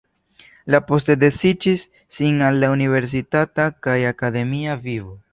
Li poste dediĉis sin al la universitata kaj akademia vivo.